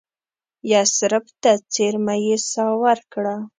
یثرب ته څېرمه یې ساه ورکړه.